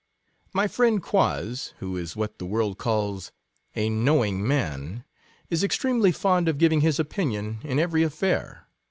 My friend Quoz, who is what the world calls a knowing man, is extremely fond of giving his opinion in every affair.